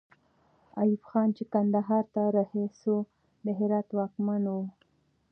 ایوب خان چې کندهار ته رهي سو، د هرات واکمن وو.